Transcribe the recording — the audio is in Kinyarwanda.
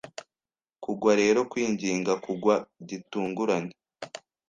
Kugwa rero kwinginga kugwa gitunguranye